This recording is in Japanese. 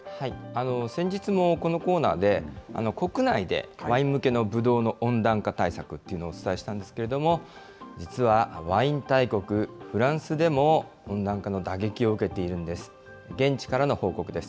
先日もこのコーナーで、国内でワイン向けのぶどうの温暖化対策というのをお伝えしたんですけれども、実はワイン大国、フランスでも、温暖化の打撃を受けているんです。